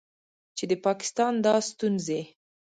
چې د پاکستان دا ستونځې